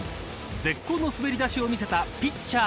絶好の滑りだしを見せたピッチャー